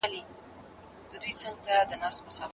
د پښتو ادب ځلانده ستوري به تل یاد وي.